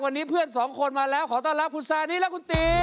วันนี้เพื่อนสองคนมาแล้วขอต้อนรับคุณซานิและคุณตี